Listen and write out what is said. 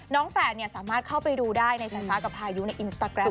แฝดสามารถเข้าไปดูได้ในสายฟ้ากับพายุในอินสตาแกรม